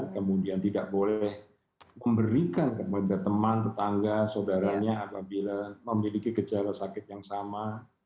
kemudian tidak boleh memberikan kepada teman tetangga saudaranya apabila memiliki gejala sakit yang sama